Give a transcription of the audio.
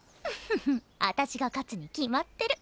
フフフあたしが勝つに決まってる。